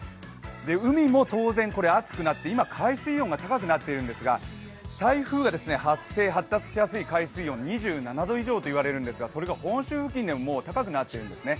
海も当然、熱くなって今、海水温が高くなっていて、台風が発生、発達しやすい海水温２７度以上といわれるんですが本州付近で高くなっているんですね。